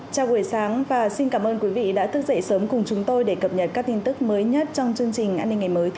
chào buổi sáng và xin cảm ơn quý vị đã thức dậy sớm cùng chúng tôi để cập nhật các tin tức mới nhất trong chương trình an ninh ngày mới